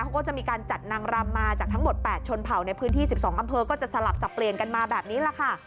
เขาก็จะมีการจัดนางรำมาจากทั้งหมด๘ชนเผ่าในพื้นที่๑๒อำเภอก็จะสลับสับเปลี่ยนกันมาแบบนี้แหละค่ะ